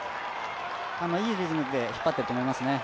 いいリズムで引っ張っていると思いますね。